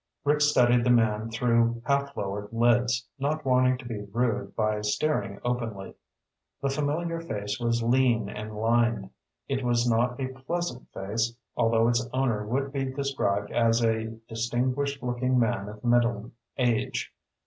Rick studied the man through half lowered lids, not wanting to be rude by staring openly. The familiar face was lean, and lined. It was not a pleasant face, although its owner would be described as a "distinguished looking man of middle age."